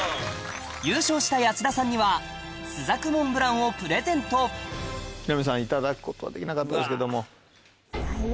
優勝した安田さんにはをプレゼント木南さんいただくことはできなかったですけども。